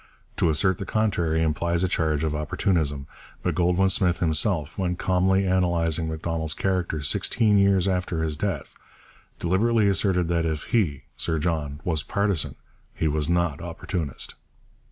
To assert the contrary implies a charge of opportunism; but Goldwin Smith himself, when calmly analysing Macdonald's character sixteen years after his death, deliberately asserted that 'if he [Sir John] was partisan, he was not opportunist.'